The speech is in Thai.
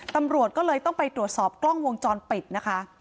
ตำรวจก็เลยต้องไปตรวจสอบกล้องวงจรปิดนะคะ